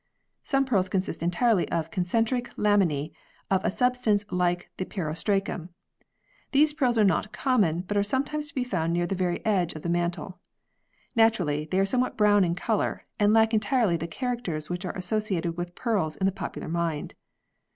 Some pearls consist entirely of concentric laminae of a substance like the peri ostracum. These pearls are not common but are sometimes to be found near the very edge of the mantle. Naturally, they are somewhat brown in colour and lack entirely the characters which are associated with pearls in the popular mind.